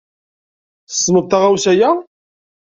Tessneḍ taɣawsa-ya?